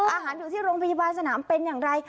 อยู่ที่โรงพยาบาลสนามเป็นอย่างไร